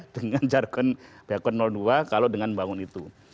dengan jargon dua kalau dengan membangun itu